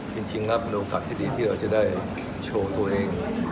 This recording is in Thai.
จริงครับเป็นโอกาสที่ดีที่เราจะได้โชว์ตัวเอง